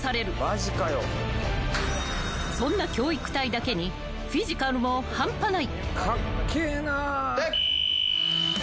［そんな教育隊だけにフィジカルも半端ない］